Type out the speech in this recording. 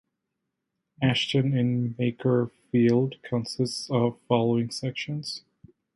Ashton-in-Makerfield consists of the following sections.